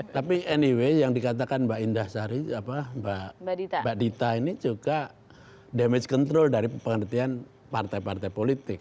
tapi anyway yang dikatakan mbak indah sari mbak dita ini juga damage control dari pengertian partai partai politik